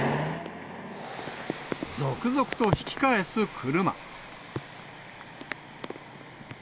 続々と引き返す車。